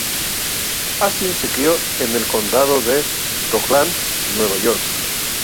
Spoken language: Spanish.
Astin se crio en el condado de Rockland, Nueva York.